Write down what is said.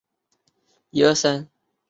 野莴苣为菊科莴苣属的植物。